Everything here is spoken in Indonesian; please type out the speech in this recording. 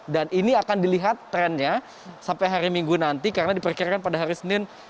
dan ini akan dilihat trennya sampai hari minggu nanti karena diperkirakan pada hari senin